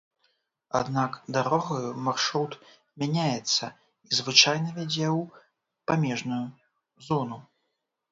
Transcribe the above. Аднак дарогаю маршрут мяняецца і звычайна вядзе ў памежную зону.